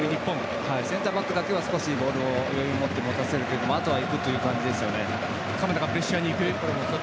センターバックだけはボールを余裕を持って持たせるというのであとは行くという感じですね。